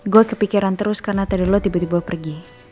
gue kepikiran terus karena tadi lo tiba tiba pergi